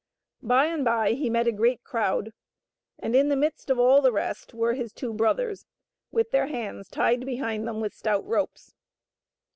By and by he met a great crowd, and in the midst of all the rest were his two brothers with their hands tied behind them with stout ropes.